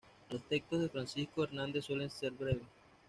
Los textos de Francisco Hernández suelen ser breves.